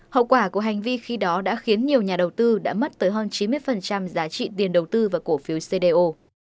hậu quả của hành vi khi đó đã khiến nhiều nhà đầu tư đã mất tới hơn chín mươi giá trị tiền đầu tư vào cổ phiếu cdo